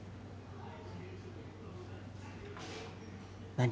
何？